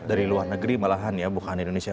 dari luar negeri malahan ya bukan di indonesia